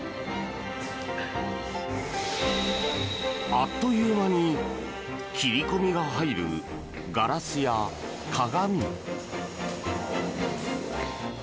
あっという間に切り込みが入るガラスや鏡。